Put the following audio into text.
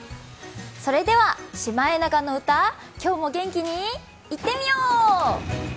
それでは「シマエナガの歌」、今日も元気にいってみよう！